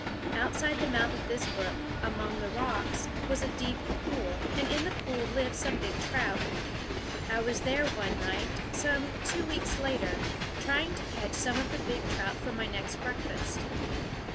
Out side the mouth of this brook, among the rocks, was a deep pool ; and in the pool lived some big trout. I was there one night, some two weeks later, trying to catch some of the big trout for my breakfast.